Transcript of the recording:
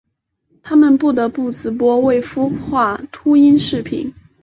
他们不得不直播未孵化秃鹰视频。